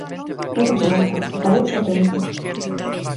Moitas grazas, acabouse o tempo.